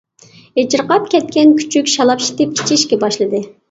ئېچىرقاپ كەتكەن كۈچۈك شالاپشىتىپ ئىچىشكە باشلىدى.